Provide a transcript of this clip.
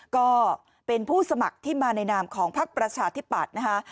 ก็เป็นผู้สมัครที่มาในนามของพักประชาธิปัตย์นะคะ